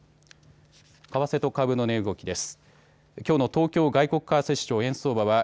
為替と株の値動きです。